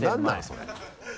それ。